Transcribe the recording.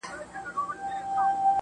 • زما د ښار ځوان.